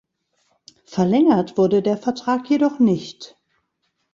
Verlängert wurde der Vertrag jedoch nicht.